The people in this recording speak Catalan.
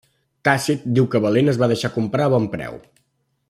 Tàcit diu que Valent es va deixar comprar a bon preu.